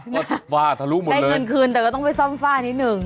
ว่าฝ้าทะลุหมดได้เงินคืนแต่ก็ต้องไปซ่อมฝ้านิดหนึ่ง